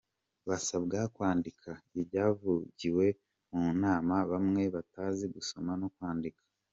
Basabwa kwandika ibyavugiwe mu nama, bamwe batazi gusoma no kwandika